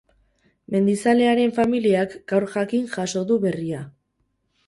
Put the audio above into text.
Mendizalearen familiak gaur jakin jaso du berria.